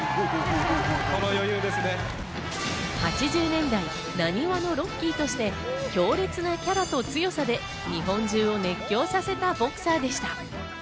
８０年代、浪速のロッキーとして強烈なキャラと強さで日本中を熱狂させたボクサーでした。